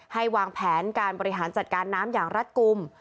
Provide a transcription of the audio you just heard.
วางแผนการบริหารจัดการน้ำอย่างรัฐกลุ่ม